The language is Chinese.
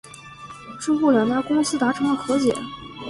之后两家公司达成了和解。